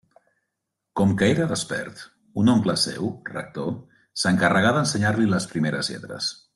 Com que era despert, un oncle seu, rector, s'encarregà d'ensenyar-li les primeres lletres.